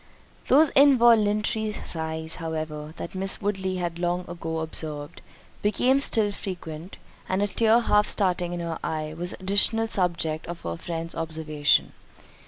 Those involuntary sighs, however, that Miss Woodley had long ago observed, became still more frequent; and a tear half starting in her eye was an additional subject of her friend's observation.